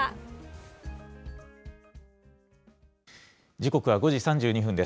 時刻は５時３２分です。